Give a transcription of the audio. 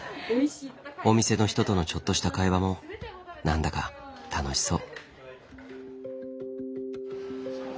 お店の人とのちょっとした会話も何だか楽しそう。